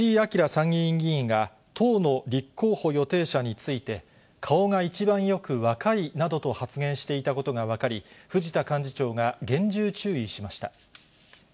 参議院議員が、党の立候補予定者について、顔が一番よく若いなどと発言していたことが分かり、藤田幹事長が厳重注意しました。